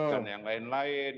dan yang lain lain